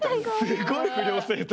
すごい不良生徒。